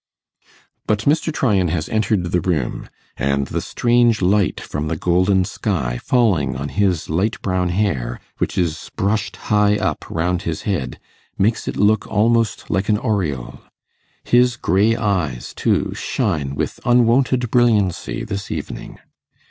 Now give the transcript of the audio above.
But Mr. Tryan has entered the room, and the strange light from the golden sky falling on his light brown hair, which is brushed high up round his head, makes it look almost like an aureole. His grey eyes, too, shine with unwonted brilliancy this evening.